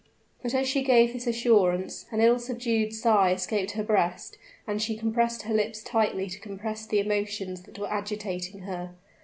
But, as she gave this assurance, an ill subdued sigh escaped her breast, and she compressed her lips tightly to crush the emotions that were agitating her.